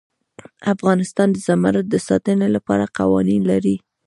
افغانستان د زمرد د ساتنې لپاره قوانین لري.